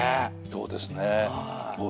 そうですね。